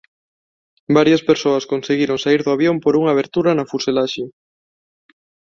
Varias persoas conseguiron saír do avión por unha abertura na fuselaxe.